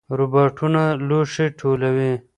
روباټونه لوښي ټولوي.